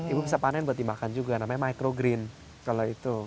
ibu bisa panen buat dimakan juga namanya micro green kalau itu